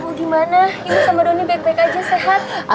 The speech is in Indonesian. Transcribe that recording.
ibu gimana ini sama doni baik baik aja sehat